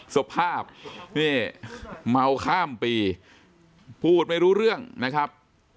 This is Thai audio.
สภาพนี่เมาข้ามปีพูดไม่รู้เรื่องนะครับ